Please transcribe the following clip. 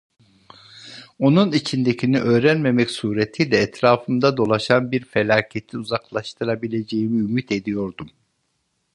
Onun içindekini öğrenmemek suretiyle, etrafımda dolaşan bir felaketi uzaklaştırabileceğimi ümit ediyordum.